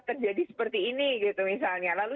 terjadi seperti ini gitu misalnya lalu